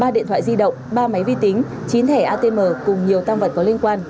ba điện thoại di động ba máy vi tính chín thẻ atm cùng nhiều tăng vật có liên quan